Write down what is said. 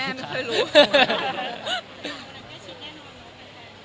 แม่ไม่เคยรู้